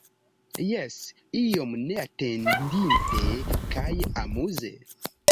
Jes, iom neatendite kaj amuze.